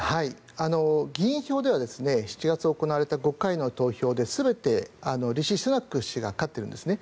議員票では７月に行われた５回の投票で全てリシ・スナク氏が勝っているんですね。